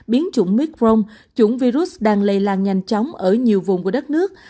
biến chủng mytprong chủng virus đang lây lan nhanh chóng ở nhiều vùng của đất nước